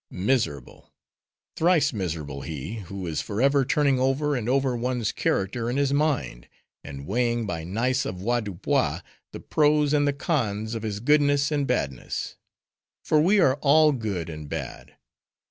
Miserable! thrice miserable he, who is forever turning over and over one's character in his mind, and weighing by nice avoirdupois, the pros and the cons of his goodness and badness. For we are all good and bad.